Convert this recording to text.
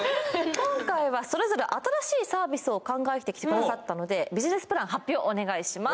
今回はそれぞれ新しいサービスを考えてきてくださったのでビジネスプラン発表お願いします